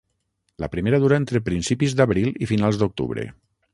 La primera dura entre principis d'abril i finals d'octubre.